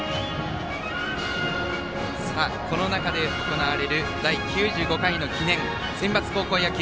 この中で行われる第９５回の記念センバツ高校野球。